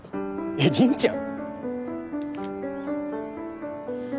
えっ凛ちゃん